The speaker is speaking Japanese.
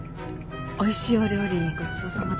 おいしいお料理ごちそうさまでした。